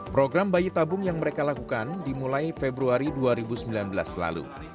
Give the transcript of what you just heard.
program bayi tabung yang mereka lakukan dimulai februari dua ribu sembilan belas lalu